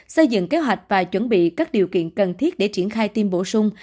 xây dựng kế hoạch và chuẩn bị các điều kiện cần thiết để triển khai tiêm bổ sung